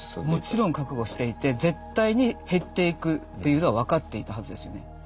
もちろん覚悟していて絶対に減っていくっていうのは分かっていたはずですよね。